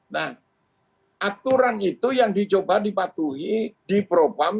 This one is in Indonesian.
nah aturan itu yang dicoba dipatuhi di propam